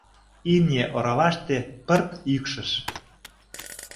Имне орваште пырт йӱкшыш.